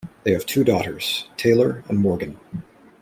They have two daughters, Taylor and Morgan.